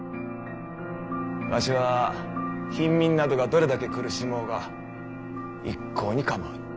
わしは貧民などがどれだけ苦しもうが一向に構わぬ。